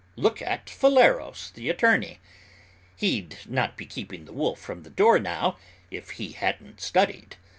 Look at Phileros the attorney; he'd not be keeping the wolf from the door now if he hadn't studied.